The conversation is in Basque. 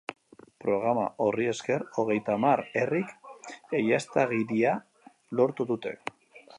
Programa horri esker, hogeita hamar herrik egiaztagiria lortu dute.